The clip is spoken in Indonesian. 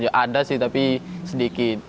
ya ada sih tapi sedikit